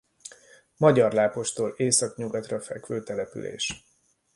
Magyarlápostól északnyugatra fekvő település.